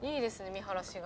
見晴らしが。